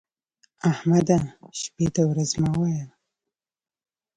احمده! شپې ته ورځ مه وايه.